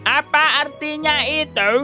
apa artinya itu